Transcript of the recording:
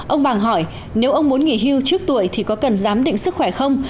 ông bàng hỏi nếu ông muốn nghỉ hưu trước tuổi thì có cần giám định sức khỏe không